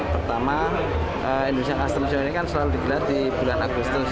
pertama indonesian custom show ini kan selalu dibilat di bulan agustus